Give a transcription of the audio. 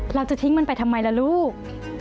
เราจะทิ้งมันไปทำไมล่ะลูก